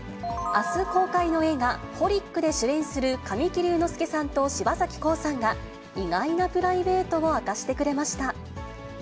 あす公開の映画、ホリックで主演する神木隆之介さんと柴咲コウさんが、意外なプライベートを明かしてくれました。